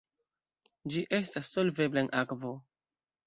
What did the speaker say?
Ĝi estas solvebla en akvo.